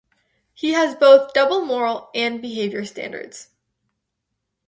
He has both double moral and behaviour standards.